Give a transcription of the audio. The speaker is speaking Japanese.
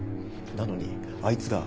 なのにあいつが。